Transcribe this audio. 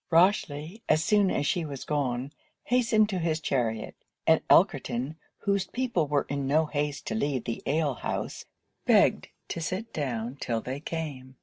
Rochely, as soon as she was gone, hastened to his chariot; and Elkerton, whose people were in no haste to leave the ale house, begged to sit down 'till they came.